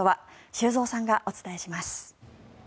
修造さんがお伝えします。